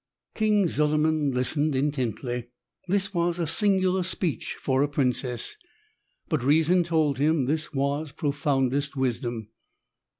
King Zuliman listened intently. This was a singular speech for a princess, but reason told him this was profoundest wisdom.